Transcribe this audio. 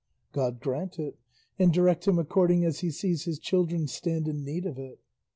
God grant it, and direct him according as he sees his children stand in need of it.